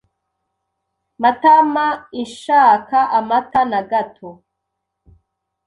Matamainshaka amata na gato.